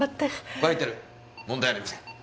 バイタル問題ありません。